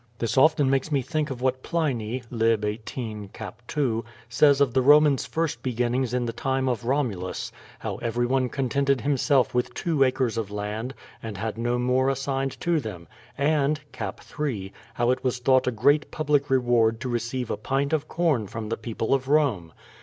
This often makes me think of what Pliny (lib. i8, cap. 2) says of the Romans' first beginnings in the time of Romulus — how everyone contented himself with two acres of land, and had no more assigned to them; and (cap. 3) how it was thought a great public reward to receive a pint of corn from the people of Rome.